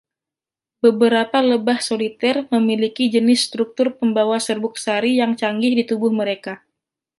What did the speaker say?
Beberapa lebah soliter memiliki jenis struktur pembawa serbuk sari yang canggih di tubuh mereka.